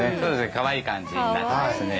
かわいい感じになってますね。